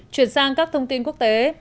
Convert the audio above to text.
chuyển sang các thông tin quốc tế